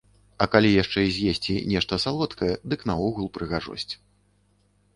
А калі яшчэ і з'есці нешта салодкае, дык наогул прыгажосць.